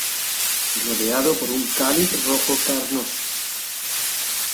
Rodeado por un cáliz rojo carnoso.